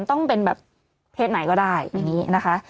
ต้องเป็นแบบเพศไหนก็ได้อย่างนี้นะคะ